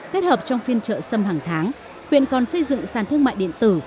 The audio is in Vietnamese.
kết hợp trong phiên trợ xăm hàng tháng huyện còn xây dựng sàn thương mại điện tử